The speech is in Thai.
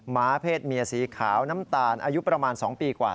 ้าเพศเมียสีขาวน้ำตาลอายุประมาณ๒ปีกว่า